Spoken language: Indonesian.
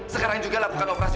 sekarang juga lakukan operasi